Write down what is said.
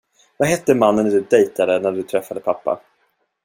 Vad hette mannen du dejtade när du träffade pappa?